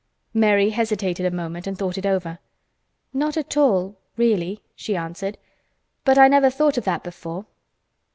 Mary hesitated a moment and thought it over. "Not at all—really," she answered. "But I never thought of that before."